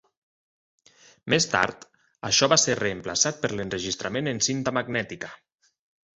Més tard això va ser reemplaçat per l'enregistrament en cinta magnètica.